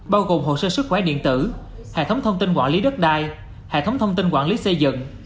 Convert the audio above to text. bao gồm hồ sơ sức khỏe điện tử hệ thống thông tin quản lý đất đai hệ thống thông tin quản lý xây dựng